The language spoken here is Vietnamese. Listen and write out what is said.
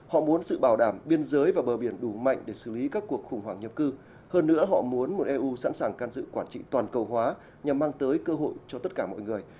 họ muốn sự bảo đảm biên giới và bờ biển đủ mạnh để xử lý các cuộc khủng hoảng nhập cư hơn nữa họ muốn một eu sẵn sàng can dự quản trị toàn cầu hóa nhằm mang tới cơ hội cho tất cả mọi người